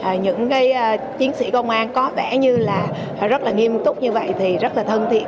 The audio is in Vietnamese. thấy là những cái chiến sĩ công an có vẻ như là họ rất là nghiêm túc như vậy thì rất là thân thiện